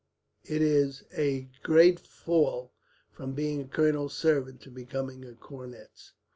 It is a great fall from being a colonel's servant to become a cornet's."